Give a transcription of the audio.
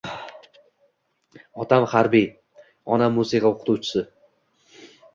— Otam harbiy, onam musiqa oʻqituvchisi.